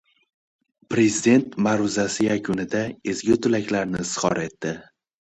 Prezident ma’ruzasi yakunida ezgu tilaklarini izhor etdi